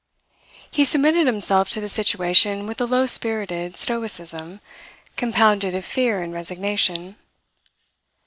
He submitted himself to the situation with a low spirited stoicism compounded of fear and resignation.